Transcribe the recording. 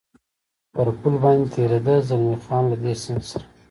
پر پل باندې تېرېده، زلمی خان: له دې سیند سره.